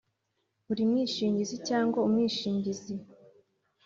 Buri mwishingizi cyangwa umwishingizi